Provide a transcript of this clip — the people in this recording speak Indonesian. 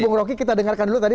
bung roky kita dengarkan dulu tadi